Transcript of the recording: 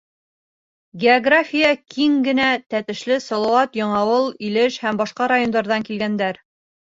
География киң генә: Тәтешле, Салауат, Яңауыл, Илеш һәм башҡа райондарҙан килгәндәр.